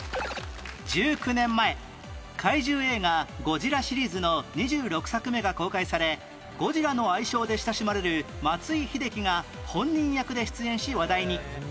１９年前怪獣映画『ゴジラ』シリーズの２６作目が公開され「ゴジラ」の愛称で親しまれる松井秀喜が本人役で出演し話題に